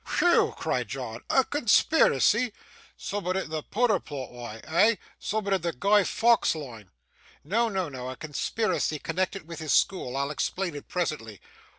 'Whew!' cried John, 'a conspiracy! Soom'at in the pooder plot wa'? Eh? Soom'at in the Guy Faux line?' 'No, no, no, a conspiracy connected with his school; I'll explain it presently.